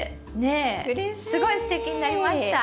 すごいすてきになりました。